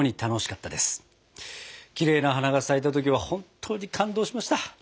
きれいな花が咲いた時は本当に感動しました！